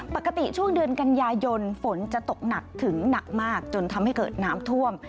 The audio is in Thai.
ปกติช่วงเดือนกันยายนฝนจะตกหนักถึงหนักมากจนทำให้เกิดน้ำท่วม